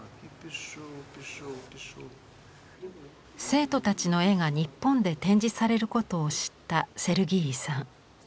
生徒たちの絵が日本で展示されることを知ったセルギーイさん。